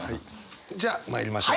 じゃあまいりましょう。